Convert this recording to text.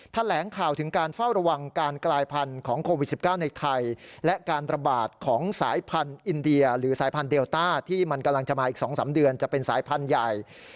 แถลงข่าวถึงการเฝ้าระวังการกลายพันธุ์ของโควิด๑๙ในไทยและการระบาดของสายพันธุ์อินเดียหรือสายพันธุเดลต้าที่มันกำลังจะมาอีก๒๓เดือนจะเป็นสายพันธุ์ใหญ่